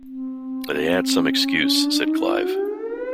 "They had some excuse," said Clive.